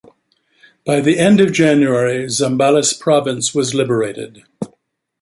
By the end of January, Zambales province was liberated.